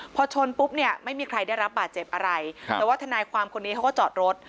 พอชนปุ๊บเนี่ยไม่มีใครได้รับบาดเจ็บอะไรแต่ว่าทนายความคนนี้เขาก็จอดรถ